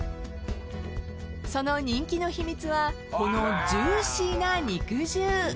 その人気の秘密はこのジューシーな肉汁。